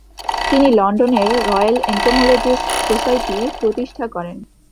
তিনি লন্ডনের Royal Entomologists Society প্রতিষ্ঠা করেন।